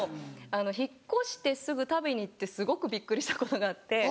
引っ越してすぐ食べに行ってすごくびっくりしたことがあって。